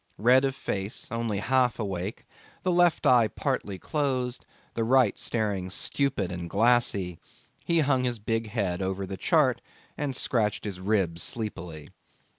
Red of face, only half awake, the left eye partly closed, the right staring stupid and glassy, he hung his big head over the chart and scratched his ribs sleepily.